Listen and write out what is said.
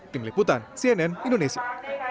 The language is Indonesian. tim liputan cnn indonesia